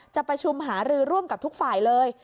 จะประชุมหารือร่วมกับทุกฝ่ายเลย